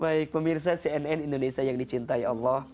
baik pemirsa cnn indonesia yang dicintai allah